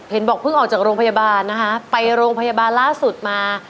บอกเพิ่งออกจากโรงพยาบาลนะคะไปโรงพยาบาลล่าสุดมา